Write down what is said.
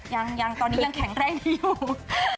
ยังตอนนี้ยังแข็งแรงดีอยู่